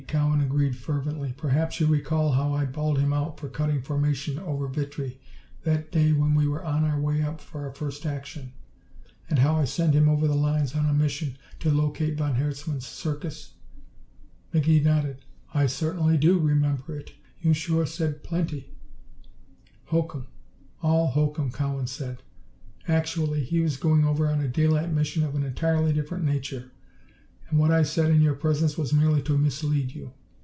Cowan agreed fervently. "Perhaps you recall how I bawled him out for cutting formation over Vitry that day when we were on our way up for our first action? And how I sent him over the lines on a mission to locate von Herzmann's Circus?" McGee nodded. "I certainly do remember it. You sure said plenty!" "Hokum! All hokum!" Cowan said. "Actually, he was going over on a daylight mission of an entirely different nature, and what I said in your presence was merely to mislead you.